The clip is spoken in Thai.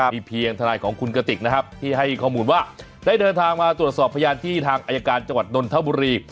มีเพียงทนายของคุณกติกนะครับที่ให้ข้อมูลว่าได้เดินทางมาตรวจสอบพยานที่ทางอายการจังหวัดนนทบุรี